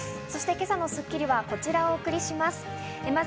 今朝の『スッキリ』はこちらをお送りします。